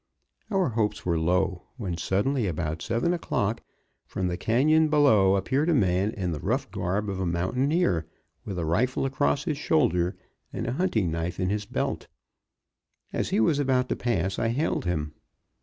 Our hopes were low, when, suddenly, about seven o'clock, from the canyon below appeared a man in the rough garb of a mountaineer, with a rifle across his shoulder and a hunting knife in his belt. As he was about to pass I hailed him.